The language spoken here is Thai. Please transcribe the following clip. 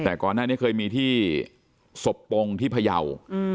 แต่ก่อนหน้านี้เคยมีที่ศพปงที่พยาว